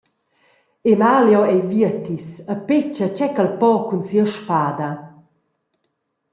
Emalio ei vietis e petga tgei ch’el po cun sia spada.